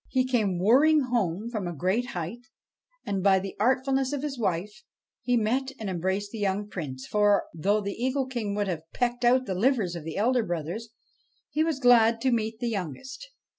He came whirring home from a great height, no BASHTCHELIK and, by the artfulness of his wife, he met and embraced the young Prince; for, though the Eagle King would have pecked out the livers of the elder brothers, he was glad to meet the youngest.